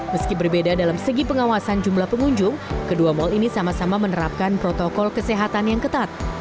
meski berbeda dalam segi pengawasan jumlah pengunjung kedua mal ini sama sama menerapkan protokol kesehatan yang ketat